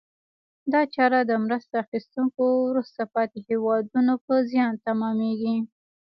دا چاره د مرسته اخیستونکو وروسته پاتې هېوادونو په زیان تمامیږي.